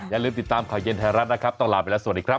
อย่าลืมติดตามข่าวเย็นไทยรัฐนะครับต้องลาไปแล้วสวัสดีครับ